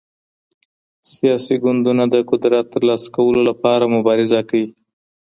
سياسي ګوندونه د قدرت تر لاسه کولو لپاره مبارزه کوي.